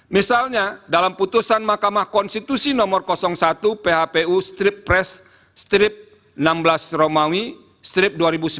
misalnya dalam putusan mahkamah konstitusi nomor satu phpu strip press strip enam belas romawi strip dua ribu sembilan belas